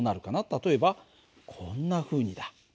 例えばこんなふうにだ。